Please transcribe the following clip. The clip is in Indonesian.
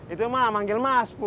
itu mah manggil mas